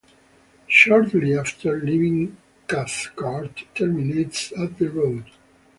Shortly after leaving Cathcart, terminates at the road.